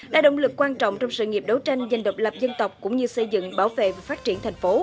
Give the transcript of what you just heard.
là động lực quan trọng trong sự nghiệp đấu tranh giành độc lập dân tộc cũng như xây dựng bảo vệ và phát triển thành phố